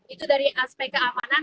itu dari aspek keamanan